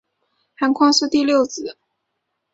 韩匡嗣第六子。